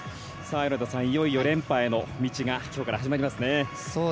米田さん、いよいよ連覇への道がこれから始まりますね。